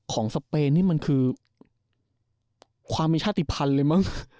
สเปนนี่มันคือความมีชาติภัณฑ์เลยมั้ง